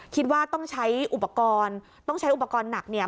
คิดว่าต้องใช้อุปกรณ์ต้องใช้อุปกรณ์หนักเนี่ย